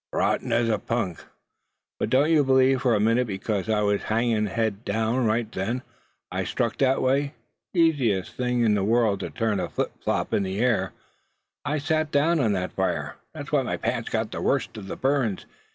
"Rotten as punk, and went back on me. But don't you believe for a minute because I was hangin' head down right then, I struck that way. Easiest thing in the world to turn a flip flap in the air. I sat down in that fire; that's why my pants got the worst of the burns.